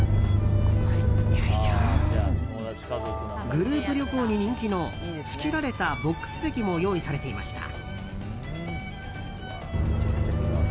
グループ旅行に人気の仕切られたボックス席も用意されていました。